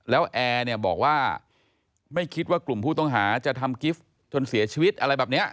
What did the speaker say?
แล้วแอร์เนี่ยบอกว่าไม่คิดว่ากลุ่มผู้ต้องหาจะทำกิฟต์จนเสียชีวิตอะไรแบบนี้